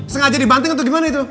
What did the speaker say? sengaja dibanting atau gimana itu